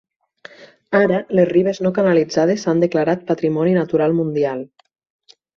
Ara les ribes no canalitzades s'han declarat patrimoni natural mundial.